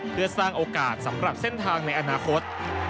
เพื่อสร้างโอกาสสำหรับเส้นทางในอนาคต